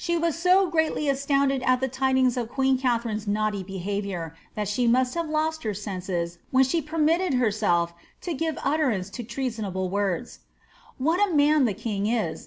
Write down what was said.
was so greatly astounded at the tidingrs of qneen Katharine^s imnfhtT behaviour, that she mast have lost her senses when she permitted her self to give utterance to the treasonable words, ^ What a man the king is